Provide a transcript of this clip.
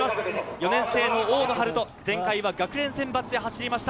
４年生の大野陽人、前回は学連選抜で走りました。